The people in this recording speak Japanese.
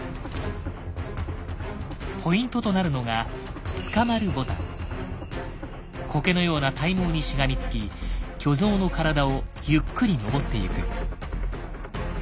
ポイントとなるのがこけのような体毛にしがみつき巨像の体をゆっくり登っていく。